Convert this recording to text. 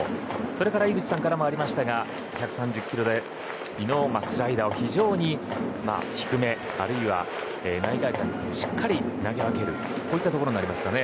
それから井口さんからもありましたが１３０キロ台のスライダーを非常に低め、あるいは内外角にしっかり投げ分けるというところになりますかね。